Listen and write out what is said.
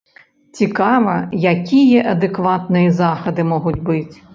Цікава, якія адэкватныя захады могуць быць?